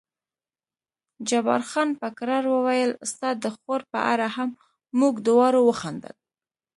جبار خان په کرار وویل ستا د خور په اړه هم، موږ دواړو وخندل.